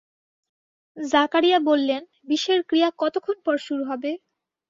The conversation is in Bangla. জাকারিয়া বললেন, বিষের ক্রিয়া কতক্ষণ পর শুরু হবে?